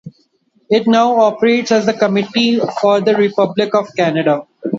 It now operates as the Committee for the Republic of Canada.